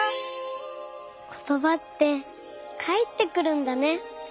ことばってかえってくるんだね。